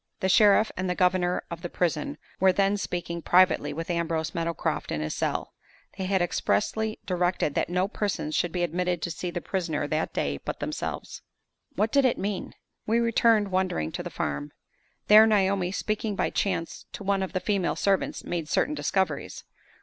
The sheriff and the governor of the prison were then speaking privately with Ambrose Meadowcroft in his cell; they had expressly directed that no persons should be admitted to see the prisoner that day but themselves. What did it mean? We returned, wondering, to the farm. There Naomi, speaking by chance to one of the female servants, made certain discoveries.